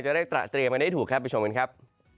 จะได้เตรียมกันได้ถูกครับไปชมกันครับ